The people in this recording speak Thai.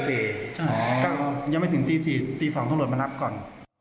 ก็ยังไม่ถึงตี๔ตี๒ท่วงรถมานับก่อน